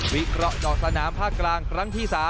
วิเคราะห์เจาะสนามภาคกลางครั้งที่๓